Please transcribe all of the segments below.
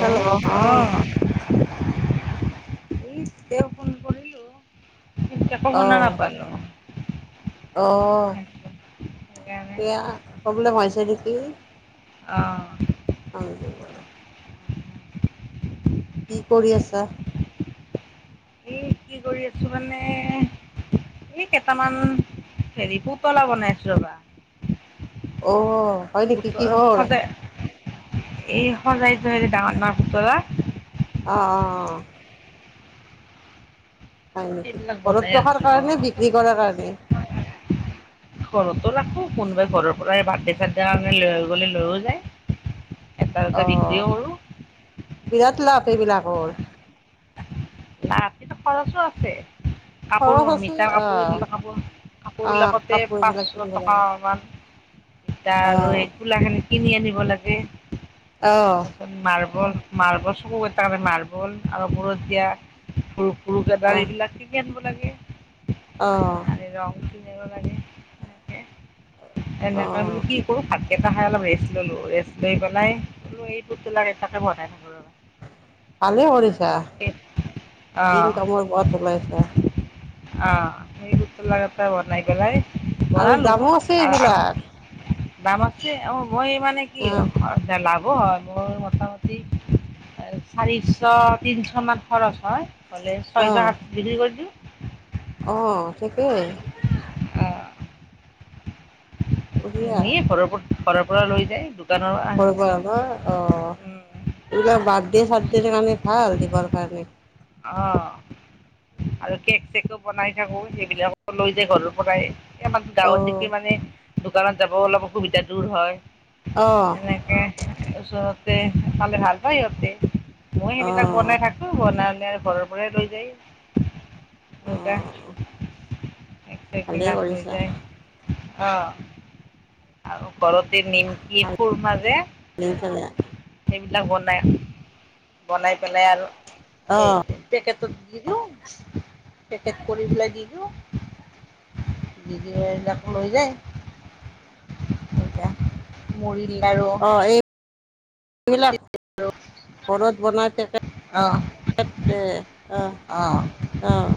Hello hello আহ অ', এই ফোন কৰিলোক একো অ শুনা নাপালো- অ সেইকাৰণে সেয়া প্ৰব্লেম হৈছে নেকি? আহ অ কি কৰি আছা? এ কি কৰি আছো মানে- এই কেইটামান হেৰি পুতলা বনাইছো ৰবা- অ হয় নেকি কি পুতলা কিহৰ? সজাই এই সজাই ডাঙৰ পুতলা- অ অ অ হয় নেকি সেইবিলাক ঘৰত বনাই ৰখাৰ আছোঁ কাৰণে অ'। বিক্ৰী কৰাৰ কাৰণে- ঘৰতো ৰাখো কোনোবাই ঘৰৰ পৰা বাডে চাদডে কাৰণে লৈ গলে লৈও যায়- এটা অ দুটা বিক্ৰীৰ কৰো বিৰাট লাভ এইবিলাকৰ- অ কিন্তু খৰচো আছে- কাপোৰ খৰচ আছে মিঠা অ কাপোৰ এইবিলাক কাপোৰ অ কাপোৰবিলাকতে কাপোৰবিলাক পাঁচশ কিনিব টকা লাগে মান - এতিয়া অ তুলা খিনি কিনি আনিব লাগে অ তাৰপিছত মাৰ্বল মাৰ্বল চকু কেইটা মাৰ্বল আৰু পত দিয়া‌ সৰু গৰু গেদাৰ স এইবিলাক আনিব লাগে আহ তেনেকে বিলাকে অ এনেকা বাৰু কি কৰো কেইটা খাই অলপ ৰেষ্ট ল'লোঁ ৰেষ্ট লৈ পেলাইল এইটোবিলাক এটে ভৰাই থাকোঁ আৰু- ভালেই কৰিছা ইনকামৰ পথ ওলাইছা- আহ এই বনাই পেলাই আৰু বনালোঁ দামো আছে আৰু- এইবিলাক দাম আছে অ মই মানে কি অ লাভ- হয় মোৰ মোটামুটি চাৰিশ তিনিশমান খৰচ হয়? হলে ছয়শ সাত বিক্ৰী কৰি দিওঁ- আহ ঠিকেই [inaudible] এনেই ঘৰৰ পৰা ঘৰৰ পৰা লৈ যায় দোকানৰ অ' [unintelligible] কৰিব পৰা নহয় অ [inaudible] এইবিলাক বাৰ্থডে-চাৰ্থডে কাৰণে ভাল দিবৰ কাৰণে আহ [unintelligible] [unintelligible] আৰু কেক-চেকো বনাই থাকো সেইবিলাক লৈ যায় ঘৰৰ পৰাই [inaudible] [unintelligible] আমাৰ অ গাঁৱত দেখি মানে দোকানত যাব অলপ অসুবিধা দূৰ হয় [inaudible] অ [unintelligible] এনেকে ওচৰতে পালে ভাল পায় সিহঁতে [inaudible] মই অ সেইবিলাক বনাই থাকো বনালে আৰু ঘৰৰ পৰাই লৈ যায় [unintelligible] অ ভালেই কৰিছা [unintelligible] অ আৰু ঘৰতে নিমকি খুৰমা যে ভাল পেলাই [inaudible] সেইবিলাক বনাই বনাই পেলাই আৰু অ এ পেকেটত দি দিওঁ পেকেট কৰি পেলাই দি দিওঁ [unintelligible] নিজে এইবিলাক লৈ যায় [unintelligible] এয়া মোৰিৰ লাৰু সেইবিলাক ঘৰত বনাই থাকে অঁ [unintelligible] সেত অঁ আহ আহ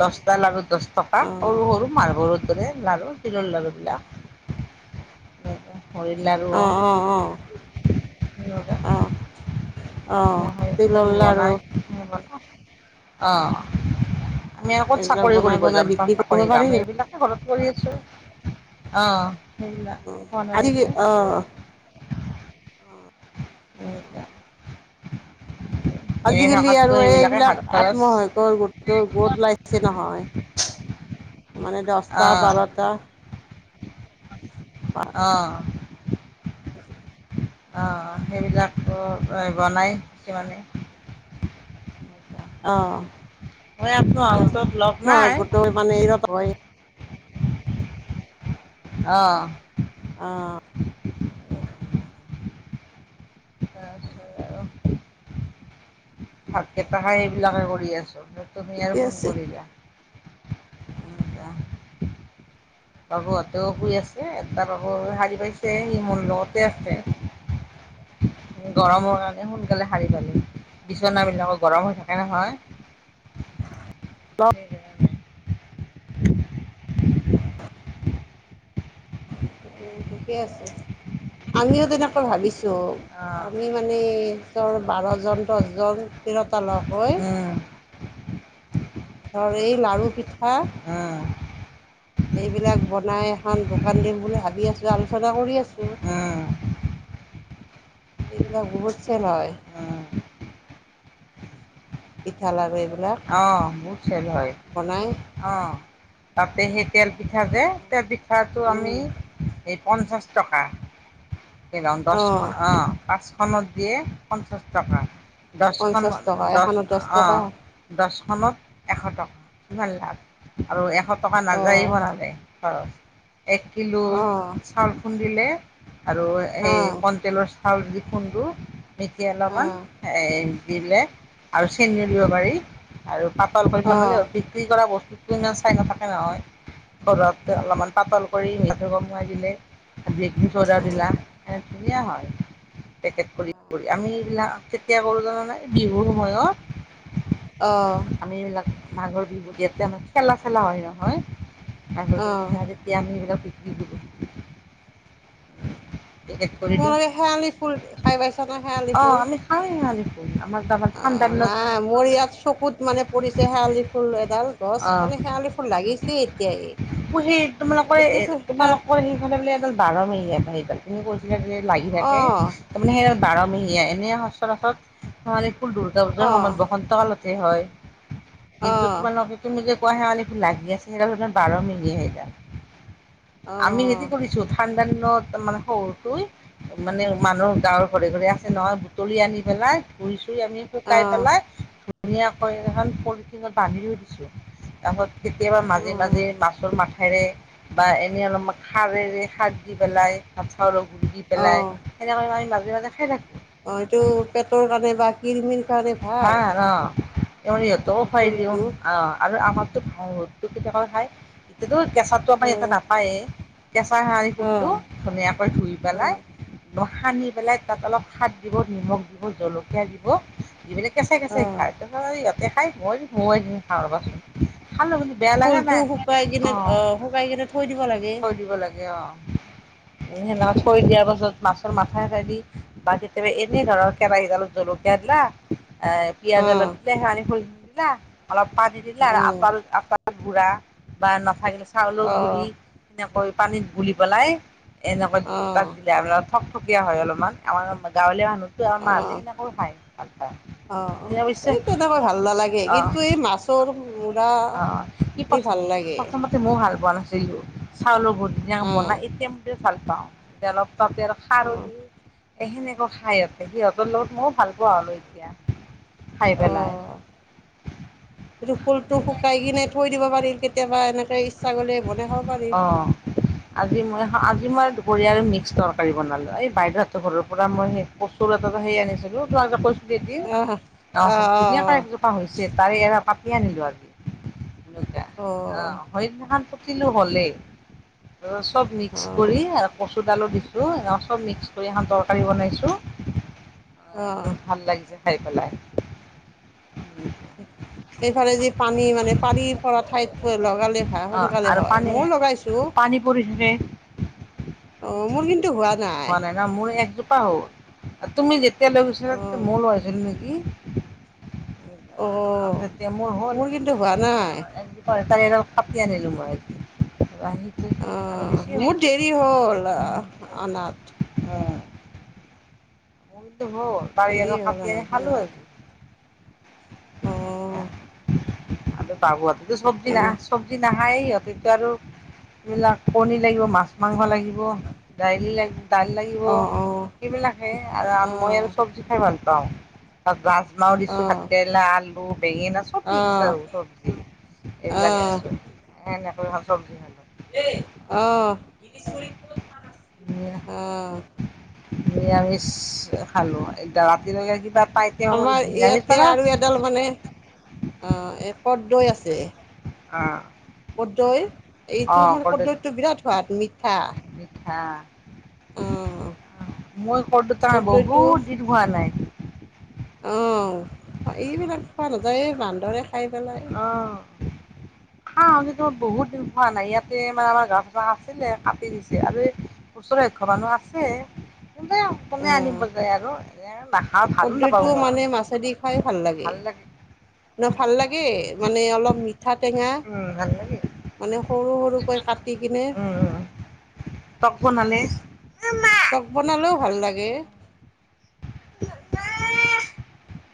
দহটা লাৰু দহ টকা সৰু সৰু মাৰ্বলৰ দৰে লাৰু সৰু-সৰু তিলৰ লাৰুবিলাক মূৰিৰ লাাৰু অঁ [inaudible] আহ [unintelligible] [unintelligible] বনাই মনা অঁ আমি ক'ত এইবিলাক চাকৰি বনাই কৰিব বনাই যাম ত বিক্ৰী কৰিব চাকৰি পাৰি কাম এইবিলাকে কৰো ঘৰতে [unintelligible] কৰি আছো অ আজি বনাইছো অ [inaudible] উম [unintelligible] [unintelligible] আজিকালি আৰু সেইবিলাকে হাত এইবিলাক খৰচ আত্মসহায়কৰ গোটটোৰ গোট ওলাইছে নহয় [unintelligible] [unintelligible] মানে দহটা বাৰটা [inaudible] আহ [unintelligible] [unintelligible] [unintelligible] অ সেইবিলাকো বনাই কিছুমানে [inaudible] [unintelligible] অ মই আকৌ ঠিকেই আছে আউটত লগ নাই গোটৰ মানে এইয়াত হয় [unintelligible] আহ [unintelligible] অ [unintelligible] তাৰপিছত আৰু ভাতকেইটা খাই এইবিলাকে কৰি আছোঁ [unintelligible] [unintelligible] তুমি আৰু ঠিকে ফোন আছে কৰিলা [unintelligible] [unintelligible] বাবুহঁতেও শুই আছে এটা বাবু শাৰী পাইছে সি মোৰ লগতে আছে [unintelligible] উ [unintelligible] [unintelligible] গৰমৰ কাৰণে সোনকালে শাৰি পালো বিচনা বিলাকো গৰম হৈ থাকে নহয় [unintelligible] অ [unintelligible] [unintelligible] উম ঠিকে আছে আমিও তেনেকৈ ভাবিছো [unintelligible] [unintelligible] ত' অ', আমি মানে চৰ বাৰজন দহজন [unintelligible] [unintelligible] তিৰোতা লগ হৈ উম, ধৰ এই লাৰু পিঠা [unintelligible] হা [unintelligible] এইবিলাক [unintelligible] এখন দোকান দিম বুলি ভাবি আছোঁ আলোচনা কৰি আছোঁ [unintelligible] উম [unintelligible] [unintelligible] এইবিলাক বহুত চেল হয় [unintelligible] উম। [unintelligible] পিঠা, লাৰু এইবিলাক [inaudible] [unintelligible] অ বহুত চেল হয় বনাই অ তাপে সেই [unintelligible] [unintelligible] তেল পিঠা যে তেলপিঠাটো আমি এই পঞ্চাছ টকা [inaudible] [unintelligible] দহখন অঁ পাঁচখনত দিয়ে পঞ্চাছ টকা [unintelligible] দচখন পঞ্চাছ টকা দ এখনত দহ অ টকা [unintelligible] এখনত এশ টকা কিমান লাভ আৰু এশ টকা নাযায়ে অঁ বনালে খৰচ এক কিলো অঁ চাউল খুন্দিলে আৰু সেই অঁ কণ তেলৰ চাউল দি খুন্দো মেটি অলপমান অঁ এই দিলে আৰু চেনিওদিব পাৰি আৰু পাতল কৰিবনালে অ', বিক্ৰী কৰা বস্তু চাই নাথাকে নহয় ঘৰত অলপমান পাতল কৰি মিলাটো বমোৱাই দিলে বেকিং চডা দিলা সে ধুনীয়া হয় পেকেট কৰি কৰি, আমি এইবিলাক কেতিয়া কৰো জান নাই বিহুৰ সময়ত অঁ আমি এইবিলাক মাঘৰ বিহুত ইয়াতে আমাৰ খেলা চেলা হয় নহয় মাঘৰ বিহু যেতিয়া আমি এইবিলাক শখ তোমালোকে শেৱালি ফুল খাই পাইছানে শেৱালি ফুল? [unintelligible] [unintelligible] অ নাই মোৰ ইয়াত চকুত মানে পৰিছে শেৱালি ফুল ডাল গছ অ মানে শেৱালি ফুল লাগিছেই এতিয়াই। সেই তোমালোকৰে এ এতিয়াতো সে অ', তোমালোকৰ সেইফালে বোলে বাৰ মৰিয়ে সেইডালি কৈছিলে যে লাগি থাকে অ', তাৰমানে সেই বাৰমেহীয়া এনে সচৰাচৰ শেৱালি ফুল দুৰ্গা পূজাৰ অ', সময়ত বসন্ত কালতে হয়, কিন্তু অ', তোমালোক তুমি যে কোৱা শেৱালি লাগি আছে সেইডাল তাৰ বাৰ মাহিয়া সেইডাল আমি হেতি কৰিছো ঠাণ্ডা দিনত মানে সৰুটোৱে মানে মানুহৰ গাৱৰ ঘৰে ঘৰে আছে নহয় বুটলি আনি পেলাই ফুৰিছো আমি অ', শুকাই পেলাই অ', ধুনীয়াকৈ এখন পলিথিনত বান্ধিও দিছো তাৰপাছত কেতিয়াবা মাজে মাজে অ', মাছৰ মা বা এনে অলপমান খৰেৰে শাক দি পেলাই [unintelligible] গু দি পেলাই সেনেকৈ আমি মাজে মাজে খাই থাকো অ এইটো পেটৰ কাৰণে বা কিৰমিৰ কাৰণে ভাল সহঁতকো অঁ, খুৱাই দিওঁ ফুলটো আৰু আমাৰতোত [unintelligible] খাই [unintelligible] অ', নাপায়েই কেঁচা হেৰি কোটটো অ', ধুনীয়াকৈ ধুই পেলাই অ', সানি পেলাই তাত অলপ সাত দিব নিমখ দিব জলকীয়া দিব যিবিলাক কেঁচাই কেঁচাই অ', খায় ত স ইহতে খাই মই মই এদিম খাওঁ ৰ'বাচোন ভাল বেয়া লগা ফুলটো নাই শুকাই কিনে অ শুকাই কিনে থৈ দিব লাগে থৈ দিব লাগে অ [unintelligible] সেনেকা থৈ দিয়াৰ পাছত মাছৰ মাথা এটা দি বা কেতিয়াবা এনে ধৰণৰ কেৰাহীত অলপ জলকীয়া এটলা এ পিয়াজ অ', অলপ দিলে সানি থৈ দিলা, অলপ পানী দিলা উম আৰু আপ আ গুড়া বা নাথাকিলে চাউলৰ গুড়ি অ', সেনেকৈ পানীত গুলি পেলাই এনেকুৱা তাত অ', দিলে আম ঠকথকীয়া হয় অলপমান আমাৰ গাঁৱলীয়া মানুহ সিহৰ মাতে অ', সেনেকৈ খায় ভাল পায় অ অৱশ্যে এই তেনেকৈ ভাল নালাগে অ কিন্তু এই মাছৰ মূৰা ই প্ৰথম প্ৰথমতে মো হাত ব চাউলৰ অ', বনাই এতিয়া ম ভাল পাওঁ এয়া অলপ বাপেয় অ', খাৰলী এ সেনেকা খাই সিহঁতৰ লগত মই ভাল পা ক আৰু এতিয়া খাই পেলাই। অঁ [unintelligible] টো ফুলটো শুকাই কিনে থৈ দিব পাৰিল কেতিয়াবা এনেকে ইচ্ছা কৰিলে বনাই খাব পাৰি অ', আজি মই সাত দুপৰীয়া আৰু মিক্স তৰকাৰী বনালো এই বাইদেউহেতৰ ঘৰৰ পৰা মই সেই কচুৰ হাতত সেই আনিছিলো কৈছিলো দেদ আহ অ ধুনীয়াকৈ একজোপা হৈছে তাৰে এৰা কাটি আনিলো আজি অ', আহ হৰিত [unintelligible] পুতিলো হলেই চব মিক্স কৰি অ', আৰু কচুৰ দালো দিছো চব মিক্স কৰি এখন তৰকাৰী বনাইছো অ', বহুত ভাল লাগিছে খাই পেলাই [unintelligible] সেই ফালে যি পানী মানে পানীৰ পৰা ঠাইত লগালে ভাৰা অঁ সোনকালে আৰু হয় পানী ময় লগাইছো পানী পৰি থাকে হোৱা নাই ন মোৰ একজোপা হল তুমি যেতিয়া লৈ গৈছিলা অ', তেতিয়া ময়ো লই আহিছিলো নেকি অ', মোৰ কিন্তু হোৱা নাই [unintelligible] কাটি আনিলোঁ মই ৰাহিটো আৰু অ', বেছি হ মোৰ দেৰি হ'ল অনাত অ বাৰী আৰু দেৰিয়ে হ'ল কাটি আনি অনাত খালো আৰু অ', আৰু বাবোৱাতো চবজি নাখা অ', চবজি নাখায়েই সিহঁতেটো আৰু এইবিলাক কণী লাগিব মাছ মাংস লাগিব দাইলি লাগ দাইল লাগিব অ', অ', অ', সেইবিলাক সে মই আৰু চবজি খাই ভাল পাওঁ তাত গাছ মাৰো দিছো অ', ভাতকেৰেলা, আলু, বেঙেনা চব মিক্স অ', আৰু চবজি সেইবিলাক দিছো এনেকৈ ভাল চবজি ভাল আহ আহ নিৰামিষ খালো এতিয়া ৰাতিলৈকে কিবা পাই তেওঁ আমাৰ নিৰামিষ ইয়াতে পালা আৰু এডাল মানে অ কদৈ আছে অঁ কদৈ এইটো মানে কদৈটো বিৰাট সোৱাদ মিঠা হা অ', মই কদৈত থাকা বহুত দিন হোৱা নাই। আহ এইবিলাক খোৱা নাযায় এই বান্দৰে খাই পেলাই অহ খাওঁ আমি ত বহুত দিন খোৱা নাই ইয়াতে মানে আমাৰ গছ আছিলে কাটি দিছে আৰু ওচৰে ঘৰানু আছে কিন্তে কোনে আনিব অ', যায় আৰু এ নাখ ও ভালো নাপাওঁ কদৈটো মই মানে মাছেদি খাই ভাল লাগে ন ভাল লাগে মানে অলপ মিঠা টেঙা উম, ভাল লাগে মানে সৰু সৰুকৈ কাটি কিনে তক বনালে তক বনালেও ভাল লাগে। [unintelligible]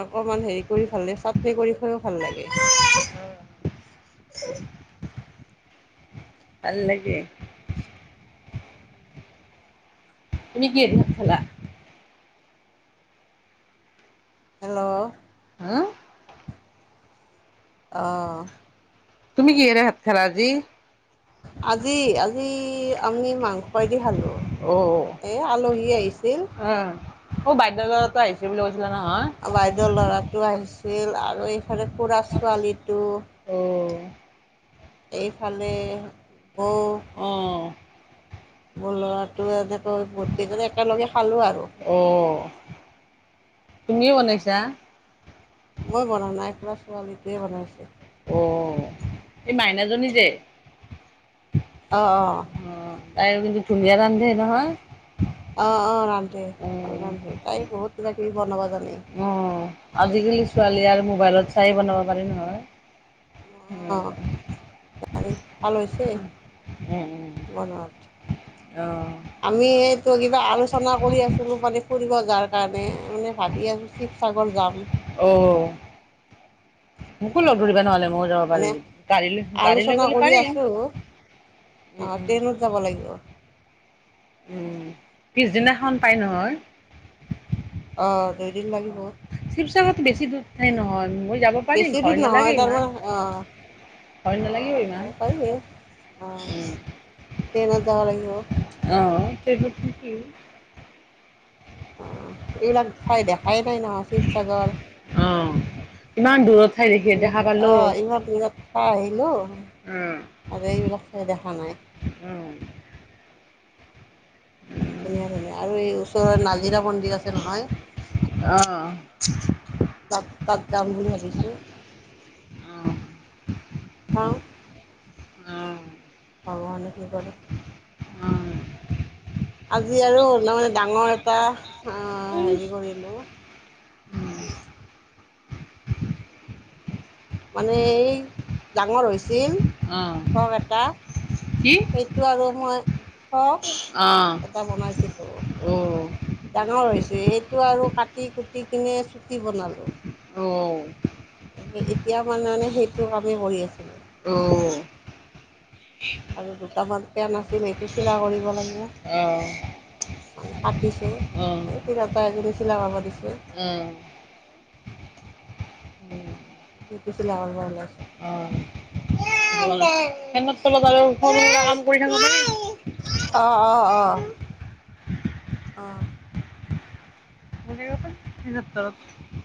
অকমান হেৰি কৰি ভালে চাটনি কৰি খুৱাই কৰি ও ভাল লাগে ভাল লাগে তুমি কিহে দি ভাত খালা? হেল্ল' হ অহ তুমি কিহেৰে ভাত খালা আজি আজি আজি আমি মাংসই দি খালো অ'। এই আলহী আহিছিল অ', অ বাইদেউ ঘৰতে আহিছে বুলি কৈছিলা নহয়? বাইদেউ ল'ৰাটো আহিছিল আৰু এইফালে খুৰা ছোৱালীটো অ'। এইফালে বৌ অ'। মোৰ লৰাটোৱে এনেকৈ বোট কেই একেলগে খালো আৰু অ'। তুমিয়ে বনাইছা মই বনা নাই খ'ৰা ছোৱালীটোৱে বনাইছে অ এই মাইনাজী যে অঁ অঁ অ', তাই কিন্তু ধুনীয়া ৰান্ধে নহয় অ অ ৰান্ধে ভাল অ', ৰান্ধে তাই বহুত কিবা কিবি বনাবা জানে অ', আজিকালি ছোৱালী আৰু মোবাইলত চাই বনাব পাৰি নহয় উম, অহ ভাল হৈছে উম, বনত অ', আমি এইটো কিবা আলোচনা কৰি আছিলো মানে ফুৰিব যোৱাৰ কাৰণে মানে ভাবি আছো শিৱসাগৰ যাম অ মোকো লগ ধৰিব নহলে মইয়ো যাব মানে পাৰি গাড়ী লৈ গাড়ী লৈ গ'লে পাৰিম অ উম, উম, ট্ৰেইনত যাব লাগিব। উম পিছদিনাখন পাই নহয় অ দুইদিন লাগিব অ', শিৱসাগৰতো বেছি দূৰ ঠাই নহয় মই যাব বেছি পাৰিম ভয় নালাগে ইমান ভয় নালাগিব অহ যাব ইমান পাৰিবি ট্ৰেইনত যাব লাগিব অহ অহ এইবিলাক ঠাই দেখাই নাই নহয় শিৱসাগৰ অ'। ইমান দূৰত ঠাই দেখি ই দেখা পালো। আহ ইমান বিৰত খা আহিলো উম, আৰু এইবিলাক খাই দেখা নাই [unintelligible] ধুনীয়া ধুনীয়া আৰু এই ওচৰৰত নাজিৰা মন্দিৰ আছে নহয় অ', তাত তাত যাম বুলি ভাবিছো [unintelligible] এক অ ভগৱানে কি কৰে? অ আজি আৰু তাৰ মানে ডাঙৰ এটা অহ হেৰি কৰিলো উ মানে এই ডাঙৰ হৈছিল অ', অ', ফ্ৰক এটা কি? সেইটো আৰু মই ফ্ৰক অ', অ', এটা বনাইছিলো অ', অ'। ডাঙৰ হৈছে সেইটো আৰু কাটি কুটি কিনে চুটি বনালো অ এতিয়া মানে এনেই সেইটো কামেই কৰি আছিলো আৰু দুটামান সেয়া নাছিল সেইটো চিলা কৰিব লাগে অ', অ', মানে কাটি এই তাতে আজি নিচিলাও হ'ব দে অহ উম সিটো চিলা কৰপা ওলাইছো অতৰু [unintelligible] পৰি থাকোতে অ অ অ অ ক ফেনৰ তলত